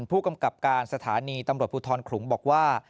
ผู้กำกับการสถานีตำรวจภูทรขลุงบอกว่า